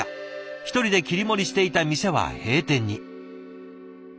１人で切り盛りしていた店は閉店に。